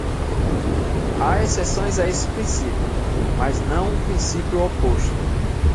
Há exceções a esse princípio, mas não um princípio oposto.